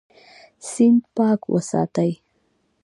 سیند پاک وساتئ.